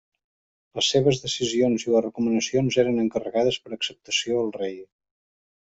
Les seves decisions i les recomanacions eren entregades per acceptació al rei.